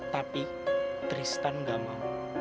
tapi tristan nggak mau